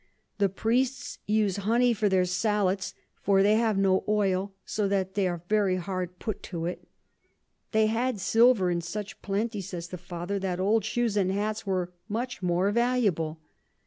The Priests use Honey for their Sallets, for they have no Oil, so that they are very hard put to it. They had Silver in such plenty, says the Father, that old Shoes and Hats were much more valuable.